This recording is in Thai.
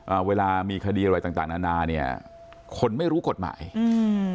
อ่าเวลามีคดีอะไรต่างต่างนานาเนี้ยคนไม่รู้กฎหมายอืม